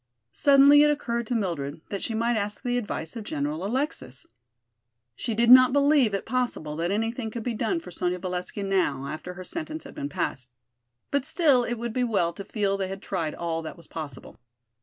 Suddenly it occurred to Mildred that she might ask the advice of General Alexis. She did not believe it possible that anything could be done for Sonya Valesky now, after her sentence had been passed. But still it would be well to feel they had tried all that was possible.